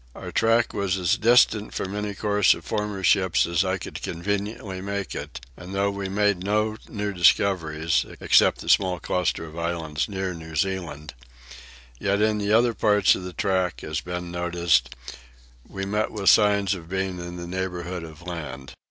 Our track was as distant from any course of former ships as I could conveniently make it and, though we made no new discoveries, except the small cluster of islands near New Zealand, yet in other parts of the track, as has been noticed, we met with signs of being in the neighbourhood of land.